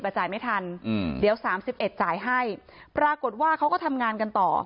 เพราะไม่มีเงินไปกินหรูอยู่สบายแบบสร้างภาพ